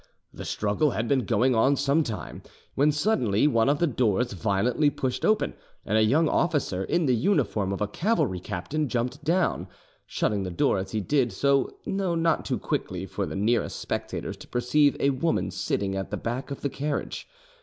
The struggle had been going on same time, when suddenly one of the doors violently pushed open, and a young officer in the uniform of a cavalry captain jumped down, shutting the door as he did so though not too quickly for the nearest spectators to perceive a woman sitting at the back of the carriage.